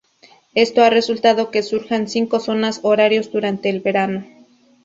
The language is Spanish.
Esto ha resultado que surjan cinco zonas horarios durante el verano.